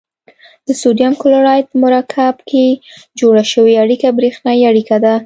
د سوډیم کلورایډ په مرکب کې جوړه شوې اړیکه بریښنايي اړیکه ده.